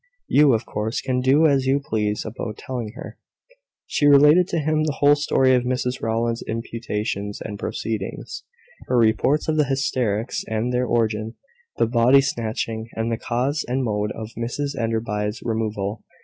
You, of course, can do as you please about telling her." She related to him the whole story of Mrs Rowland's imputations and proceedings her reports of the hysterics and their origin, the body snatching, and the cause and mode of Mrs Enderby's removal.